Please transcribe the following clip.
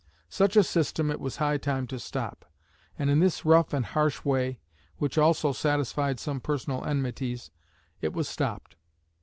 Such a system it was high time to stop; and in this rough and harsh way, which also satisfied some personal enmities, it was stopped.